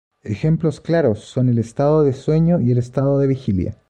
Ejemplos claros son el estado de sueño y el estado de vigilia.